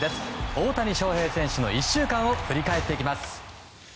大谷翔平選手の１週間を振り返っていきます。